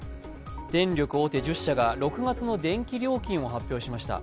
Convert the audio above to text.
電力大手１０社が６月の電気料金を発表しました。